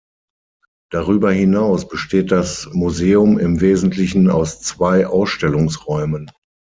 Darüber hinaus besteht das Museum im Wesentlichen aus zwei Ausstellungsräumen.